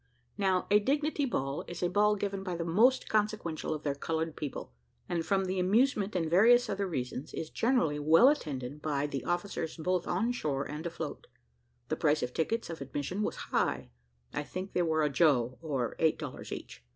Now, a dignity ball is a ball given by the most consequential of their coloured people, and from the amusement and various other reasons, is generally well attended by the officers both on shore and afloat. The price of the tickets of admission was high I think they were a joe, or eight dollars each.